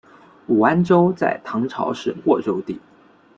武安州在唐朝是沃州地。